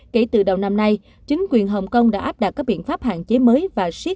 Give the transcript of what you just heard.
kể từ đầu năm nay chính quyền hồng kông đã áp đặt các biện pháp hạn chế mới